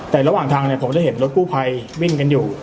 แต่ระหว่างทางเนี่ยผมได้เห็นรถกู้ภัยวิ่งกันอยู่